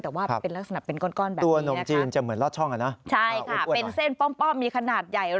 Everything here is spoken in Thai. แต่ว่าเป็นลักษณะเป็นก้อนแบบนี้นะคะ